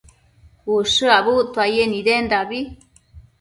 ushË abuctuaye nidendabi